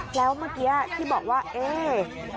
แล้วเมื่อกี้ที่บอกว่าเอ๊ะ